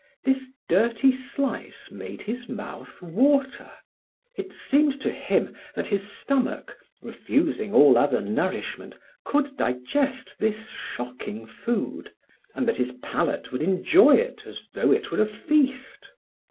This dirty slice made his mouth water. It seemed to him that his stomach, refusing all other nourishment, could digest this shocking food, and that his palate would enjoy it as though it were a feast.